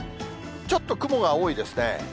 ちょっと雲が多いですね。